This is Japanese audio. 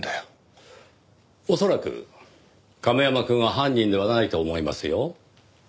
恐らく亀山くんは犯人ではないと思いますよ。